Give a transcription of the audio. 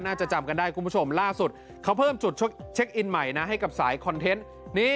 น่าจะจำกันได้ล่าสุดเขาเพิ่มจุดเช็คอินใหม่ให้กับสายคอนเทสต์